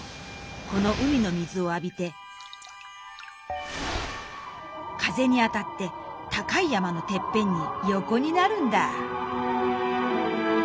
この海の水を浴びて風に当たって高い山のてっぺんによこになるんだ」。